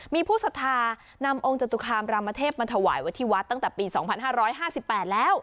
มีผู้สัทธานำองค์จตุคามรามเทพมาถวายไว้ที่วัดตั้งแต่ปี๒๕๕๘แล้ว